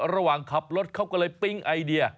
ระหว่างขับรถเขาก็เลยปิ๊งไอเดีย